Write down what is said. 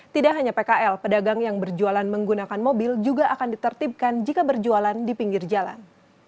tidak hanya pkl pedagang yang berjualan menggunakan mobil juga akan ditertibkan jika berjualan di pinggir jalan